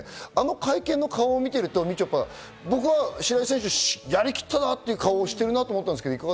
あの会見の顔を見てると、みちょぱ白井選手はやりきったなという顔をしているように見えましたけど。